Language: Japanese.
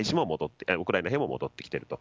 ウクライナ兵も戻ってきていると。